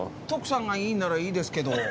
徳さんがいいんならいいですけど。